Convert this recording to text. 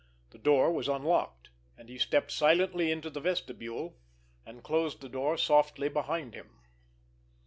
The door was unlocked, and he stepped silently into the vestibule, and closed the door softly behind him.